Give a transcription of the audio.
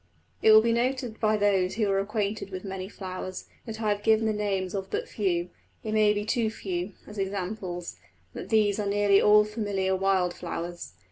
It will be noted by those who are acquainted with many flowers that I have given the names of but few it may be too few as examples, and that these are nearly all of familiar wild flowers.